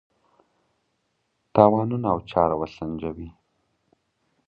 تاوانونه او چاره وسنجوي.